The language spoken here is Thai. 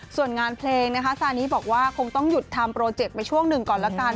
ส่วนงานเพลงนะคะซานิบอกว่าคงต้องหยุดทำโปรเจกต์ไปช่วงหนึ่งก่อนละกัน